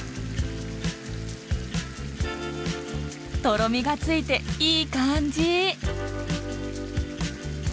とろみがついていい感じ。